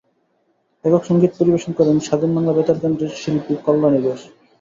একক সংগীত পরিবেশন করেন স্বাধীন বাংলা বেতার কেন্দ্রের শিল্পী কল্যাণী ঘোষ।